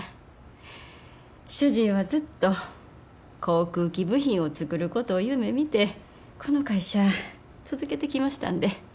主人はずっと航空機部品を作ることを夢みてこの会社続けてきましたんで。